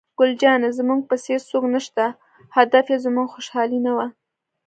ګل جانې: زموږ په څېر څوک نشته، هدف یې زموږ خوشحالي نه وه.